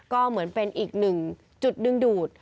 ก็เหมือนเป็นอีกหนึ่งจุดดึงดูด